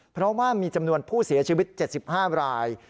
เพราะว่ามีจำนวนผู้เสียชีวิต๗๕ราย